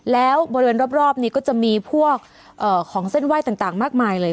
แล้วบริเวณรอบนี้ก็จะมีพวกของเส้นไหว้ต่างมากมายเลย